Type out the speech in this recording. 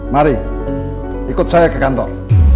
mari ikut saya ke kantor